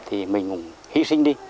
thì mình cũng hy sinh đi